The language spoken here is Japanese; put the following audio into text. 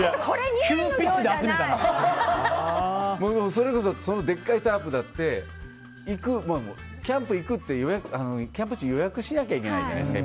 それこそでっかいタープだってキャンプ地、予約しなきゃいけないじゃないですか。